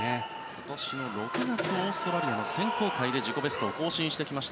今年の６月オーストラリアの選考会で自己ベストを更新してきました